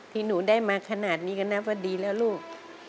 ที่หนูได้มาขนาดนี้ก็นับว่าดีแล้วลูก